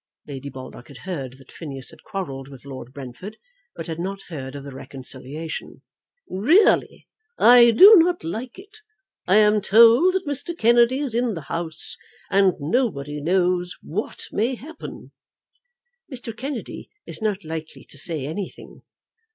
Lady Baldock had heard that Phineas had quarrelled with Lord Brentford, but had not heard of the reconciliation. "Really, I do not like it. I am told that Mr. Kennedy is in the house, and nobody knows what may happen." "Mr. Kennedy is not likely to say anything."